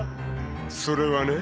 ［それはね